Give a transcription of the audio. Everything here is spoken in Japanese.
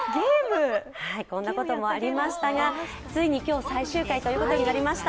こんなこともありましたがついに今日、最終回ということになりました。